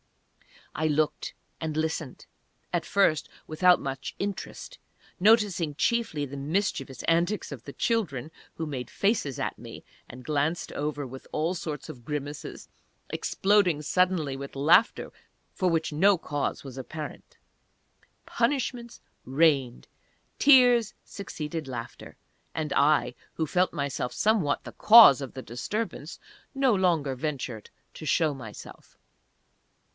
I looked and listened, at first without much interest, noticing chiefly the mischievous antics of the children, who made faces at me, and glanced over with all sorts of grimaces exploding suddenly with laughter for which no cause was apparent.... Punishments rained! Tears succeeded laughter! And I, who felt myself somewhat the cause of the disturbance, no longer ventured to show myself.